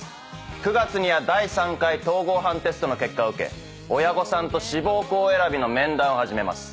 ９月には第３回統合判テストの結果を受け親御さんと志望校選びの面談を始めます。